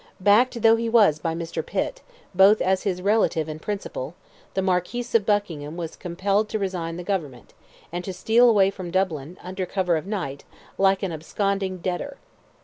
Backed though he was by Mr. Pitt, both as his relative and principal, the Marquis of Buckingham was compelled to resign the government, and to steal away from Dublin, under cover of night, like an absconding debtor.